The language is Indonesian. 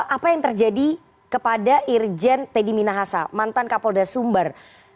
apa yang terjadi kepada irjen teddy minahasa mantan kapolda sumber